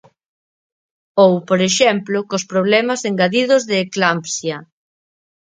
Ou, por exemplo, cos problemas engadidos de eclampsia.